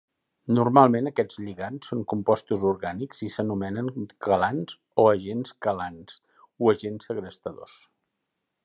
Normalment aquests lligants són compostos orgànics i s'anomenen quelants o agents quelants o agents segrestadors.